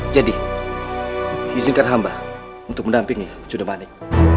jadi izinkan hamba untuk mendampingi jundumanik